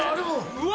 うわ。